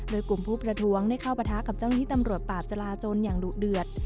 โดยกลุ่มผู้ประท้วงได้เข้าประทะกับเจ้าหน้าที่ตำรวจปราบจราจนอย่างดุเดือด